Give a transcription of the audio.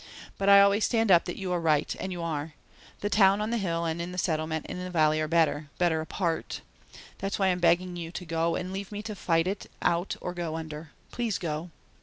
But I always stand up that you are right and you are. The Town on the hill and the Settlement in the valley are better better apart. That's why I'm begging you to go and leave me to fight it out or go under. Please go!"